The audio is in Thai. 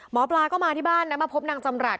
หมอปลาก็มาที่บ้านนะมาพบนางจำรัฐ